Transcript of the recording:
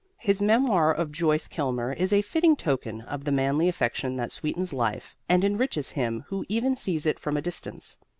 His memoir of Joyce Kilmer is a fitting token of the manly affection that sweetens life and enriches him who even sees it from a distance.